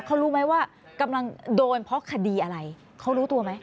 เขารู้ไหมว่ากำลังโดนเพราะคดีอะไรเขารู้ตัวไหม